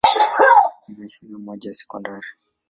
Ina shule moja ya sekondari.